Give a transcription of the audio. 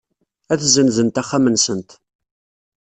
Ad ssenzent axxam-nsent.